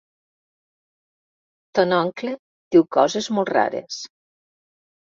Ton oncle diu coses molt rares.